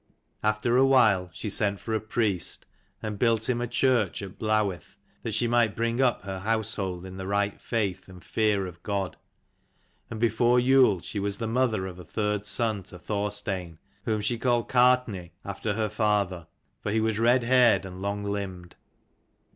After a while she sent for a priest, and built him a church at Blawith, that she might bring up her household in the right faith and fear of God. And before Yule she was the mother of a third son to Thorstein, whom she called Gartnaidh after her father, for he was red haired and long limbed.